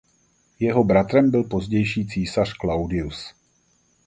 Jeho bratrem byl pozdější císař Claudius.